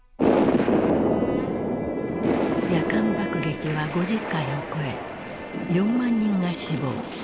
夜間爆撃は５０回を超え４万人が死亡。